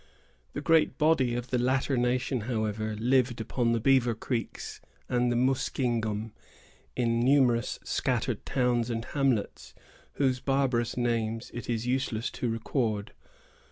The great body of the latter nation, however, lived upon the Beaver Creeks and the Muskingum, in numerous scattered towns and hamlets, whose barbarous names it is useless to record.